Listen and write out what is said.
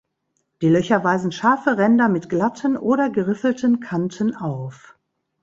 Die Löcher weisen scharfe Ränder mit glatten oder geriffelten Kanten auf.